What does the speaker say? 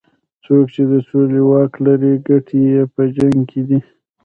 څوک چې د سولې واک لري ګټې یې په جنګ کې دي.